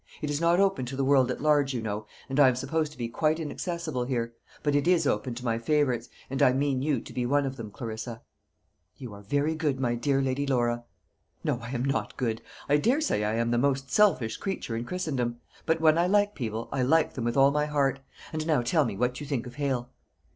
It is not open to the world at large, you know, and I am supposed to be quite inaccessible here; but it is open to my favourites, and I mean you to be one of them, Clarissa." "You are very good, dear Lady Laura." "No, I am not good; I daresay I am the most selfish creature in Christendom; but when I like people, I like them with all my heart. And now tell me what you think of Hale."